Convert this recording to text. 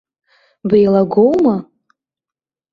Беилагоума?!